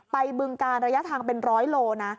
บึงการระยะทางเป็นร้อยโลนะ